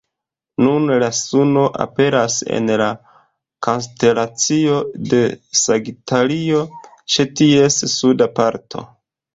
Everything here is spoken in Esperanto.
Nun, la suno aperas en la konstelacio de Sagitario, ĉe ties suda parto.